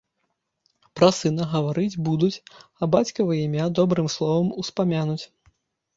Пра сына гаварыць будуць, а бацькава імя добрым словам успамянуць.